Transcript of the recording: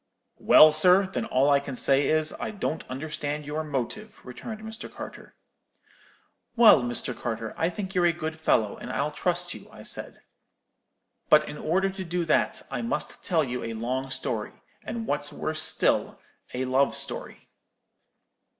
"'Well, sir, then all I can say is, I don't understand your motive,' returned, Mr. Carter. "'Well, Carter, I think you're a good fellow, and I'll trust you,' I said; 'but, in order to do that, I must tell you a long story, and what's worse still, a love story.'